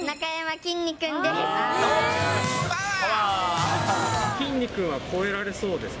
きんに君は超えられそうですか？